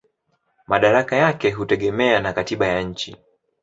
Madaraka yake hutegemea na katiba ya nchi.